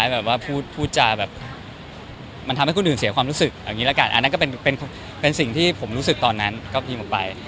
แบบว่าพูดจาแบบมันทำให้คนอื่นเสียความรู้สึกเอาอย่างนี้ละกันอันนั้นก็เป็นสิ่งที่ผมรู้สึกตอนนั้นก็พิมพ์ออกไป